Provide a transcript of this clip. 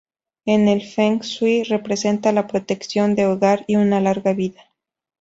En el Feng Shui representa la protección del hogar y una larga vida.